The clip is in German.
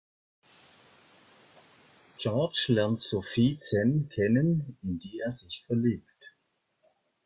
George lernt Sophie Zenn kennen, in die er sich verliebt.